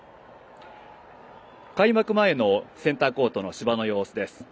開幕前のセンターコートの芝の様子です。